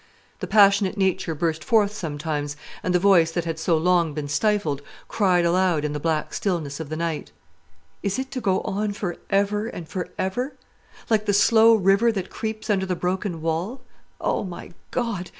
The passionate nature burst forth sometimes, and the voice that had so long been stifled cried aloud in the black stillness of the night, "Is it to go on for ever and for ever; like the slow river that creeps under the broken wall? O my God!